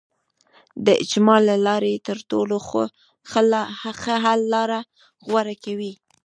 د اجماع له لارې تر ټولو ښه حل لاره غوره کوي.